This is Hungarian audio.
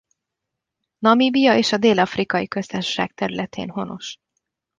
Namíbia és a Dél-afrikai Köztársaság területén honos.